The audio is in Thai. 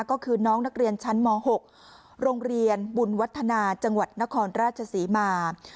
ก็คือน้องนักเรียนชั้นม๖โรงเรียนบุญวัฒนาจังหวัดนครราชศรีมา